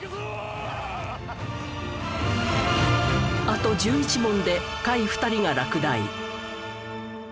あと１１問で下位２人が落第。